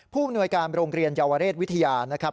ผู้อำนวยการโรงเรียนเยาวเรศวิทยานะครับ